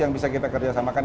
yang bisa kita kerjasamakan